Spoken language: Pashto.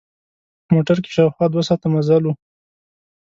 په موټر کې شاوخوا دوه ساعته مزل و.